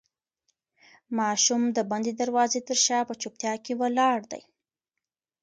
ماشوم د بندې دروازې تر شا په چوپتیا کې ولاړ دی.